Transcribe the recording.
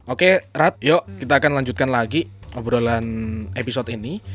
oke rad yuk kita akan lanjutkan lagi obrolan episode ini